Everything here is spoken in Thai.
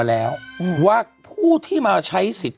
ถ้าภูมิที่มาใช้สิทธิ์